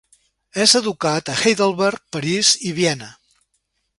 És educat a Heidelberg, París, i Viena.